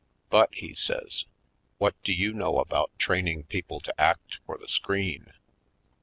But," he says, "what do you know about training people to act for the screen?"